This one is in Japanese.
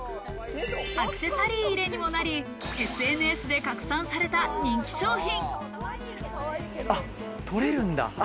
アクセサリー入れにもなり、ＳＮＳで拡散された人気商品。